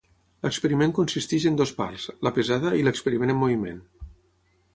L'experiment consisteix en dues parts: la pesada i l'experiment en moviment.